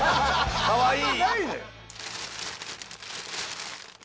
かわいい。